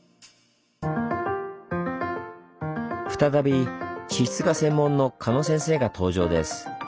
再び地質が専門の狩野先生が登場です。